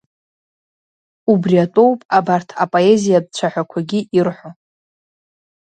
Убри атәоуп абарҭ апоезиатә цәаҳәақәагьы ирҳәо…